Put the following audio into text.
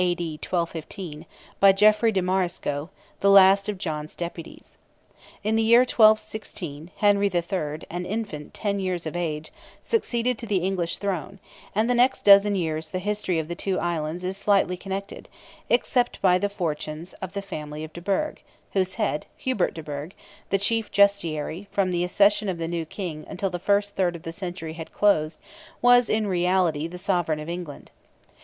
D. 1215), by Geoffrey de Marisco, the last of John's deputies. In the year 1216, Henry III., an infant ten years of age, succeeded to the English throne, and the next dozen years the history of the two islands is slightly connected, except by the fortunes of the family of de Burgh, whose head, Hubert de Burgh, the Chief Justiciary, from the accession of the new King, until the first third of the century had closed, was in reality the Sovereign of England.